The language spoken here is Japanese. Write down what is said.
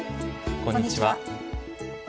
こんにちは。